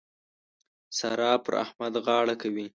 سارا پر احمد غاړه کوي.